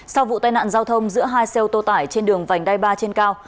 sau vụ tai nạn giao thông giữa hai xe ô tô tải trên đường vành đai ba trên cao